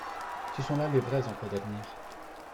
Ce sont là les vrais emplois d’avenir